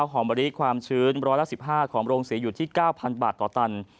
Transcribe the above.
หอมมะลิความชื้นร้อยละ๑๕ของโรงเสียอยู่ที่๙๐๐บาทต่อตัน